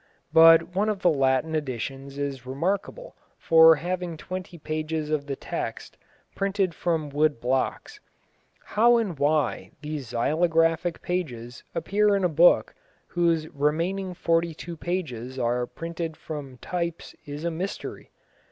But one of the Latin editions is remarkable for having twenty pages of the text printed from wood blocks. How and why these xylographic pages appear in a book whose remaining forty two pages are printed from types is a mystery.